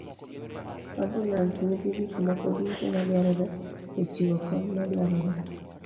ambulans nigi gik moko duto madwarore e chiwo kony madwarore.